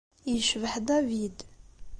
Yecbeḥ David.